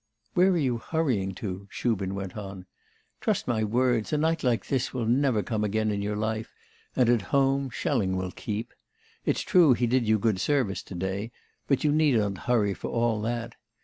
'Where are you hurrying to?' Shubin went on. 'Trust my words, a night like this will never come again in your life, and at home, Schelling will keep. It's true he did you good service to day; but you need not hurry for all that.